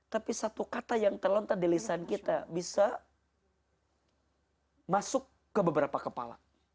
tapi satu kata yang terlontar di lisan kita bisa masuk ke beberapa kepala